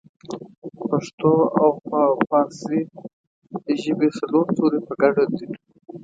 پښتو او پارسۍ ژبې څلور توري په ګډه دي